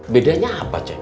bedanya apa kom